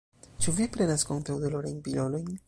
Ĉu vi prenas kontraŭ-dolorajn pilolojn?